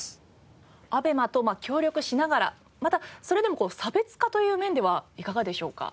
ＡＢＥＭＡと協力しながらまたそれでもこう差別化という面ではいかがでしょうか？